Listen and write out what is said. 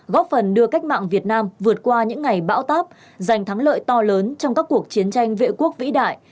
góp phần đưa cách mạng việt nam vượt qua những ngày bão táp giành thắng lợi to lớn trong các cuộc chiến tranh vệ quốc vĩ đại